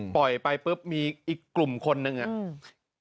ปล่อยไปปุ๊บมีอีกกลุ่มคนนึงฮน